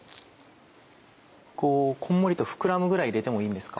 こんもりと膨らむぐらい入れてもいいんですか？